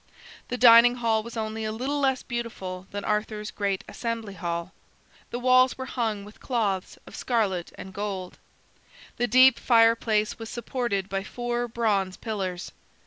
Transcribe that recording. The dining hall was only a little less beautiful than Arthur's great Assembly Hall. The walls were hung with cloths of scarlet and gold. The deep fireplace was supported by four bronze pillars.